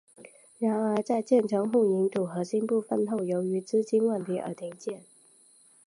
然而在建成混凝土核心部分后由于资金问题而停建。